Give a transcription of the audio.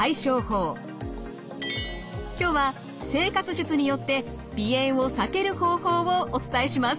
今日は生活術によって鼻炎を避ける方法をお伝えします。